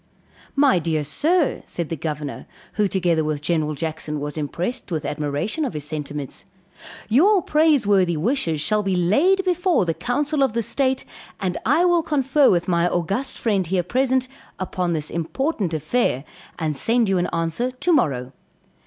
"My dear sir," said the Governor, who together with General Jackson, was impressed with admiration of his sentiments, "your praiseworthy wishes shall be laid before the council of the state, and I will confer with my August friend here present, upon this important affair, and send you an answer to morrow."